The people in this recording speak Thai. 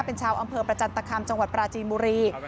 เป็นชาวอำเภอประจันตคามจังหวัดปราจีนบุรี